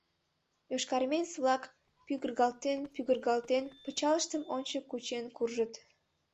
Йошкарармеец-влак, пӱгыргалтен-пӱгыргалтен, пычалыштым ончык кучен куржыт.